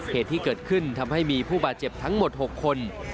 เหตุที่เกิดขึ้นทำให้มีผู้บาดเจ็บทั้งหมด๖คน